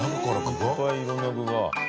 いっぱい色んな具が。